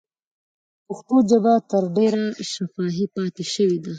پښتو ژبه تر ډېره شفاهي پاتې شوې ده.